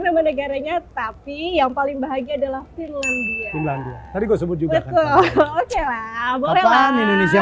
nama negaranya tapi yang paling bahagia adalah film dua tadi gue sebut juga oke lah bolehlah indonesia